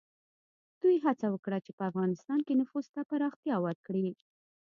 دوی هڅه وکړه چې په افغانستان کې نفوذ ته پراختیا ورکړي.